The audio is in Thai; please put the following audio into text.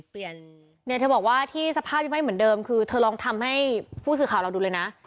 เนี่ยเธอบอกว่าที่สภาพยังไม่เหมือนเดิมคือเธอลองทำให้ผู้สื่อข่าวเราดูเลยนะ